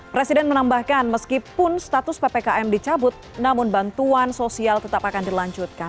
presiden menambahkan meskipun status ppkm dicabut namun bantuan sosial tetap akan dilanjutkan